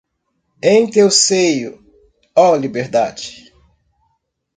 Em teu seio, ó Liberdade